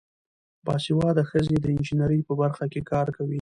باسواده ښځې د انجینرۍ په برخه کې کار کوي.